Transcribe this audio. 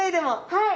はい。